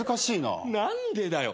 何でだよ。